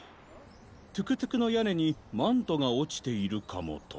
トゥクトゥクのやねにマントがおちているかもと。